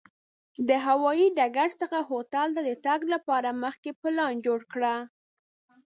د هوایي ډګر څخه هوټل ته د تګ لپاره مخکې پلان جوړ کړه.